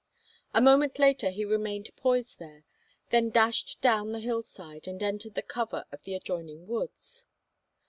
A moment he remained poised there, then dashed down the hillside and entered the cover of the adjoining woods.